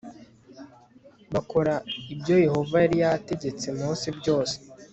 bakora ibyoyehova yari yategetse mose byose